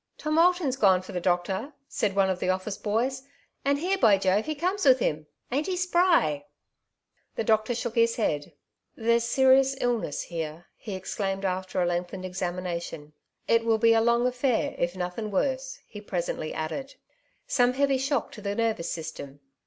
" Tom Alton's gone for the doctor,^' said one of the oflSce boys, '' and here, by Jove, he comes with him. Ain't he spry ?'' The doctor shook his head. '' There's serious ill ness here,'' he exclaimed after a lengthened examina tion. '' It will be a long affair, if nothin worse," A Moments Delirium, 203 he presently added; ''some heavy shock to the nervous system.